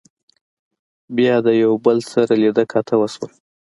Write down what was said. بيا د يو بل سره لیدۀ کاتۀ وشول